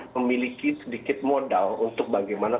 memiliki sedikit modal untuk bagaimana